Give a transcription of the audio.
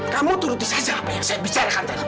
kamu turutin saja apa yang saya bicarakan tadi